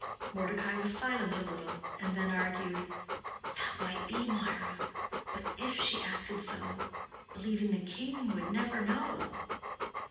Mordecai was silent a little, and then argued, "That might be, Mirah. But if she acted so, believing the king would never know."